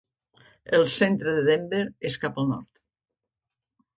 El centre de Denver és cap al nord.